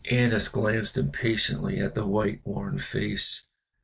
Annas glanced impatiently at the white worn face.